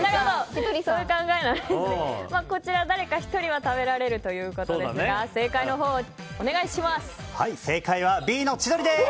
こちら誰か１人は食べられるということですが正解はＢのチドリです。